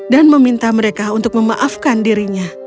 dan meminta mereka untuk memaafkan dirinya